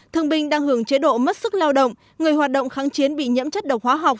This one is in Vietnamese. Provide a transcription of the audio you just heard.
thương binh đang hưởng chế độ mất sức lao động người hoạt động kháng chiến bị nhiễm chất độc hóa học